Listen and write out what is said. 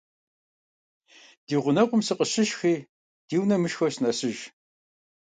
Ди гъунэгъум сыкъыщышхи ди унэ мышхэу сынэсыж.